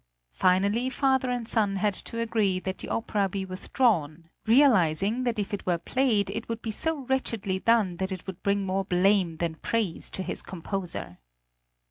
Finally father and son had to agree that the opera be withdrawn, realizing that if it were played it would be so wretchedly done that it would bring more blame than praise to its composer.